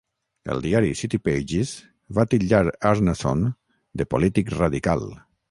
El diari City Pages va titllar Arnason de polític radical.